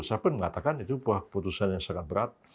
saya pun mengatakan itu keputusan yang sangat berat